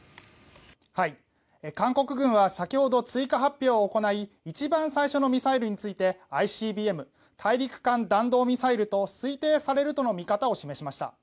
韓国軍は先ほど追加発表を行い一番最初のミサイルについてＩＣＢＭ・大陸間弾道ミサイルと推定されるとの見方を示しました。